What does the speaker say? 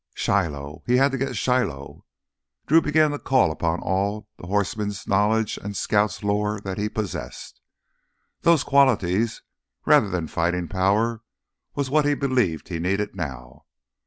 Shiloh! He had to get Shiloh! Drew began to call upon all the horseman's knowledge and scout's lore that he possessed. Those qualities, rather than fighting power, were what he believed he needed now.